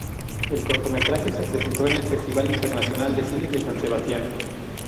El cortometraje se presentó en el Festival Internacional de Cine de San Sebastián.